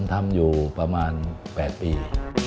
ทำอยู่ประมาณ๘ปี